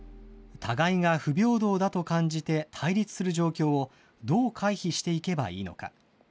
互いが不平等だと感じて対立する状況を、どう回避していけばいいのか。